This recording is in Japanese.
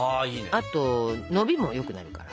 あとのびもよくなるから。